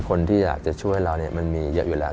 คนที่อยากจะช่วยเรามันมีเยอะอยู่แล้ว